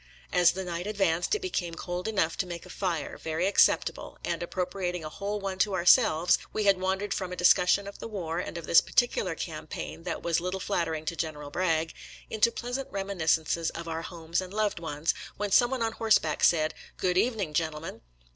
As the night ad vanced, it became cold enough to make a fire very acceptable, and, appropriating a whole one to ourselves, we had wandered from a discus sion of the war and of this particular campaign that was little flattering to General Bragg, into pleasant reminiscences of our homes and loved ones, when someone on horseback said, " Good evening, gentlemen."